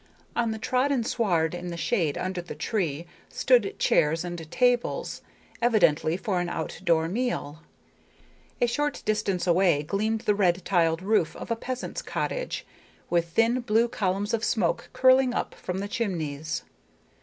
On the trodden sward in the shade under the tree stood chairs and tables, evidently for an out door meal. A short distance away gleamed the red tiled roof of a peasant's cottage, with thin blue columns of smoke curling up from the chimneys.